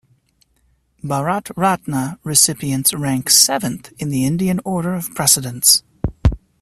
Bharat Ratna recipients rank seventh in the Indian order of precedence.